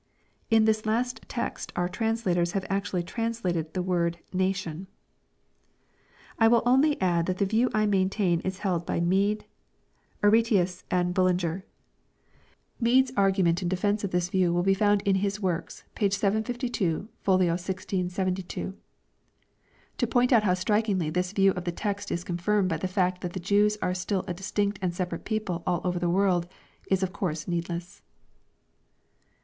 In this last text our translators have actually translated the word "nation." I will only add that the view I maintain is held by Mede, Flacius, Ravanellus, Ai'etkis;, and Bullinger. Mede*s argument 382 EXPOSITOBT THOUGHTS. in defence of the view will be found in hia works, p. 752, fol 1672. To point out how strikingly this view of the text is confirmed by the fact that the Jews are still a distinct and separate people all over the world, is of course needless.